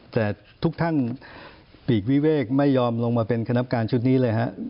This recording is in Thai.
แต่ทุกท่านหลีกวิเวกไม่ยอมลงมาเป็นคณะการชุดนี้เลยครับ